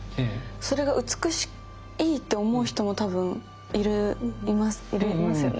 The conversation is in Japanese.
それが美しいって思う人も多分いるいますよね？